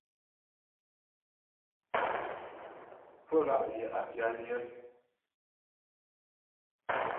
Pfə́lá' yə̀ a pyányə́.